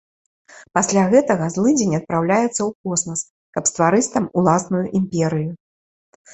Пасля гэтага злыдзень адпраўляецца ў космас, каб стварыць там уласную імперыю.